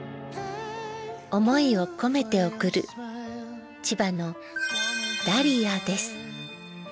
思いを込めて贈る千葉のダリアです。